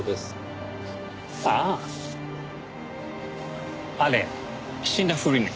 あああれ死んだふりね。